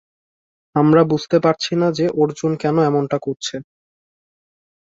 আমরা বুঝতে পারছি না যে অর্জুন কেন এমনটা করছে।